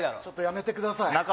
ちょっとやめてください